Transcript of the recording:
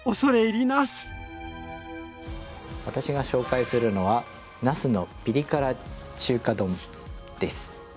私が紹介するのは「なすのピリ辛中華丼」です。